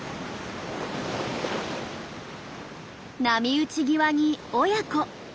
波打ち際に親子。